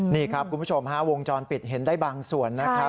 นี่ครับคุณผู้ชมฮะวงจรปิดเห็นได้บางส่วนนะครับ